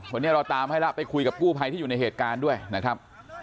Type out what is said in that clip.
วันนี้เราตามให้แล้วไปคุยกับกู้ภัยที่อยู่ในเหตุการณ์ด้วยนะครับ